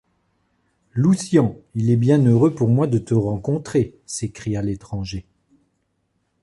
Loucian, il est bien heureux pour moi de te rencontrer, s’écria l’étranger.